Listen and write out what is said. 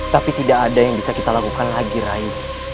tapi tidak ada yang bisa kita lakukan lagi rai